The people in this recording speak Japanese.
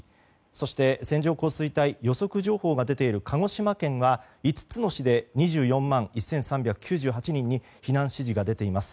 そして線状降水帯予測情報が出ている鹿児島県は５つの市で２４万１３９８人に避難指示が出ています。